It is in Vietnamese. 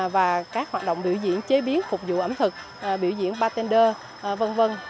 và các hoạt động biểu diễn chế biến phục vụ ẩm thực biểu diễn bartender v v